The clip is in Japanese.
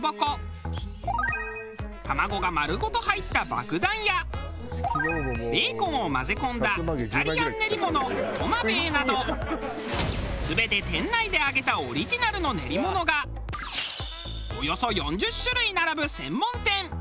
卵が丸ごと入ったばくだんやベーコンを混ぜ込んだイタリアン練り物とまべぇなど全て店内で揚げたオリジナルの練り物がおよそ４０種類並ぶ専門店。